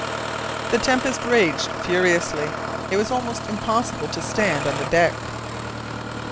The tempest raged furiously; it was impossible to stand on the deck.